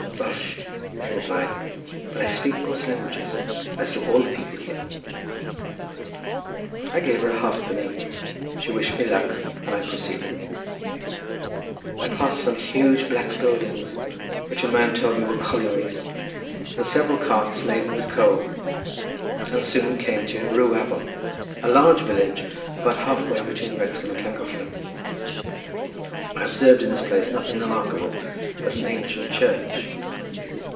"Welsh," she replied; "but I speak both languages, as do all the people here." I gave her a halfpenny; she wished me luck, and I proceeded. I passed some huge black buildings which a man told me were collieries, and several carts laden with coal, and soon came to Rhiwabon, a large village about half way between Wrexham and Llangollen. I observed in this place nothing remarkable, but an ancient church.